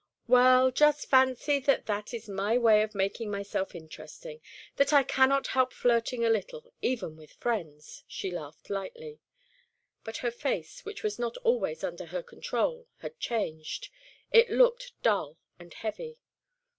"Well, just fancy that that is my way of making myself interesting; that I cannot help flirting a little, even with friends." She laughed lightly; but her face, which was not always under her control, had changed: it looked dull and heavy.